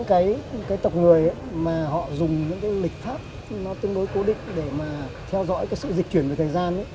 cái tộc người ấy mà họ dùng những cái lịch pháp nó tương đối cố định để mà theo dõi cái sự dịch chuyển về thời gian ấy